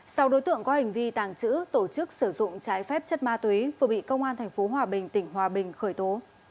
sau đối tượng có hành vi tàng trữ tổ chức sử dụng trái phép chất ma túy vừa bị công an tp hòa bình tỉnh hòa bình khởi tố